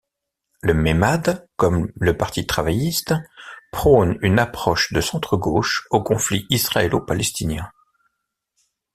Le Meimad, comme le Parti travailliste, prône une approche de centre-gauche au conflit israélo-palestinien.